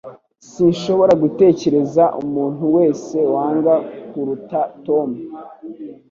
Sinshobora gutekereza umuntu wese wanga kuruta Tom